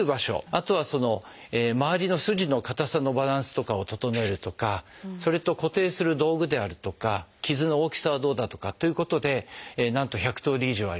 あとはまわりの筋の硬さのバランスとかを整えるとかそれと固定する道具であるとか傷の大きさはどうだとかっていうことでなんと１００通り以上あります。